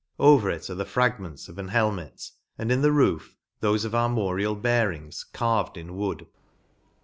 Over it, are the fragments of an helmet, and, in the roof, thofe of armorial bearings, carved in wood.